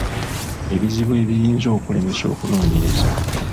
Ebizibu ebiyinza okulemesa okunoonyereza